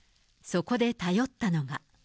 そこで頼ったのが。